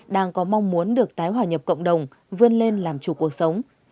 đang có mong muốn được tái hòa nhập cộng đồng vươn lên làm chủ cuộc sống